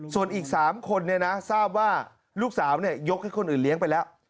ส่วนอีก๓คนเนี่ยนะทราบว่าลูกสาวเนี่ยยกให้คนอื่นเลี้ยงไปแล้ว